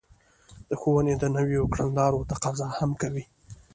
د ښوونې د نويو کړنلارو تقاضا هم کوي.